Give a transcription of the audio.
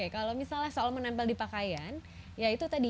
kalau misalnya soal menempel di pakaian ya itu tadi